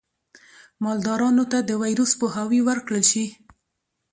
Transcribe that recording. مالدارانو ته د ویروس پوهاوی ورکړل شي.